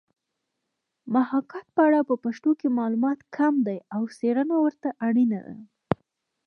محاکات په اړه په پښتو کې معلومات کم دي او څېړنه ورته اړینه ده